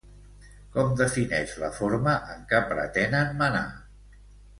Com defineix la forma en que pretenen manar?